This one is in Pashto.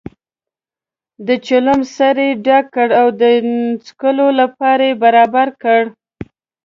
د چلم سر یې ډک کړ او د څکلو لپاره یې برابر کړ.